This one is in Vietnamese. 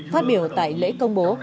phát biểu tại lễ công bố